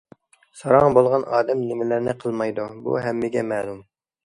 ساراڭ بولغان ئادەم نېمىلەرنى قىلمايدۇ؟ بۇ ھەممىگە مەلۇم.